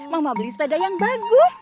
mama beli sepeda yang bagus